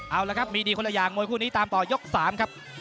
เอาละครับมีดีคนละอย่างมวยคู่นี้ตามต่อยก๓ครับ